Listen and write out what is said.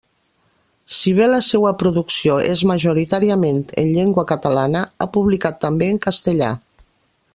Si bé la seua producció és majoritàriament en llengua catalana, ha publicat també en castellà.